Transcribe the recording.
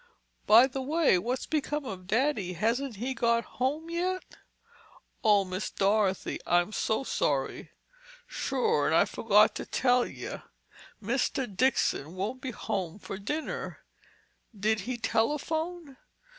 "By the way, what's become of Daddy? Hasn't he got home yet?" "Oh, Miss Dorothy, I'm so sorry. Sure and I forgot to tell ye—Mr. Dixon won't be home for dinner." "Did he telephone?"